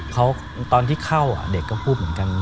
เขาตอนที่เข้าเด็กก็พูดเหมือนกัน